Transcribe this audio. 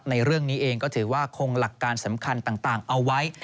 ในเรื่องนี้เองก็ถือว่าคงหลักการสำคัญต่างเอาไว้